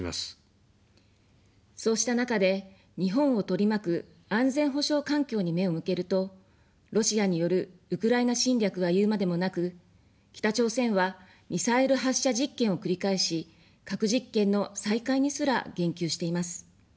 そうした中で、日本を取り巻く安全保障環境に目を向けると、ロシアによるウクライナ侵略は言うまでもなく、北朝鮮はミサイル発射実験を繰り返し、核実験の再開にすら言及しています。